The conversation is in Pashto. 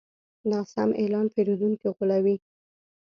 ناسم اعلان پیرودونکي غولوي.